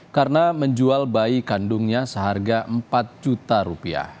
karena menjual bayi kandungnya seharga empat juta rupiah